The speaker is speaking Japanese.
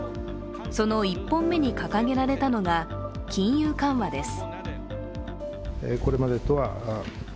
その１本目に掲げられたのが金融緩和です。